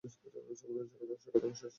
সমুদ্র আর সৈকত আঁকা শেষ।